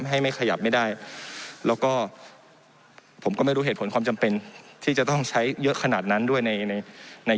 ให้ไม่ขยับไม่ได้แล้วก็ผมก็ไม่รู้เหตุผลความจำเป็นที่จะต้องใช้เยอะขนาดนั้นด้วยในใน